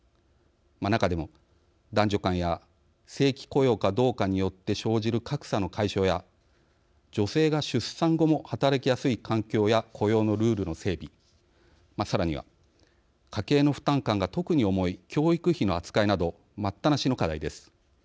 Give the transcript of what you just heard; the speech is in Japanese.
中でも、男女間や正規雇用かどうかによって生じる格差の解消や、女性が出産後も働きやすい環境や雇用のルールの整備さらには家計の負担感が特に重い教育費の扱いなど待ったなしの課題です。